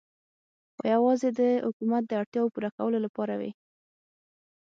خو یوازې د حکومت د اړتیاوو د پوره کولو لپاره وې.